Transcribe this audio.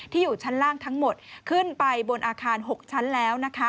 อยู่ชั้นล่างทั้งหมดขึ้นไปบนอาคาร๖ชั้นแล้วนะคะ